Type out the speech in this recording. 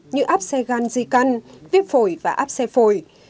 như áp xe gan di căn viếp phổi và áp xe phổi